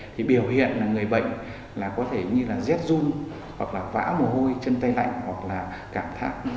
thì biểu hiện là người bệnh là có thể như là rét run hoặc là vã mồ hôi chân tay lạnh hoặc là cảm thận